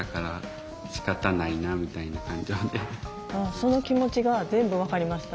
その気持ちが全部分かりました。